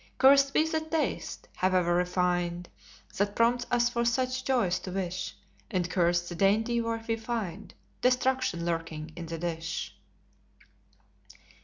Cursed be the taste, howe'er refined, That prompts us for such joys to wish; And cursed the dainty where we find Destruction lurking in the dish.